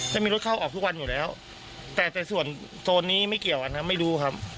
จะมีรถเข้าออกทุกวันอยู่แล้วแต่แต่ส่วนโซนนี้ไม่เกี่ยวกันครับไม่รู้ครับ